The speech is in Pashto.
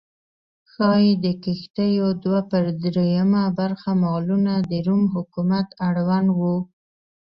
ښايي د کښتیو دوه پر درېیمه برخه مالونه د روم حکومت اړوند و